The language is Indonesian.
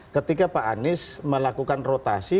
ketika pak anies melakukan rotasi